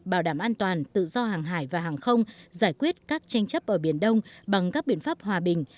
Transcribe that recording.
bảo đảm an toàn tự do hàng hải và hàng không giải quyết các tranh chấp ở biển đông bằng các biện pháp hòa bình